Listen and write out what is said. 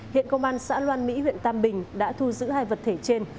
hiện công an xã loan mỹ huyện tam bình đã thu giữ hai vật thể trên